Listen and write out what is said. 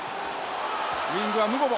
ウイングはムボボ。